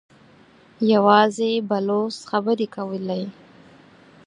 يواځې بلوڅ خبرې کولې.